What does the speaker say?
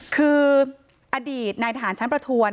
คืออดีตนายทหารชั้นประทวน